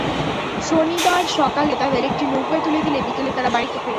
শনিবার সকালে তাঁদের একটি নৌকায় তুলে দিলে বিকেলে তাঁরা বাড়িতে ফেরেন।